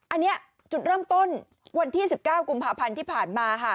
อันนี้จุดเริ่มต้นวันที่๑๙กุมภาพันธ์ที่ผ่านมาค่ะ